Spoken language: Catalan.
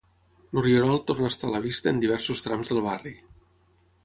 El rierol torna a estar a la vista en diversos trams del barri.